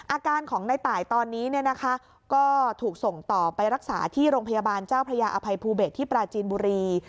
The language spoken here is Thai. อาการของในตายตอนนี้เนี่ยนะคะก็ถูกส่งต่อไปรักษาที่โรงพยาบาลเจ้าพระยาอภัยภูเบศที่ปราจีนบุรี